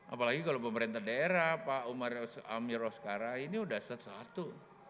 apalagi kalau pemerintah daerah pak umar amir oskara ini sudah satu satu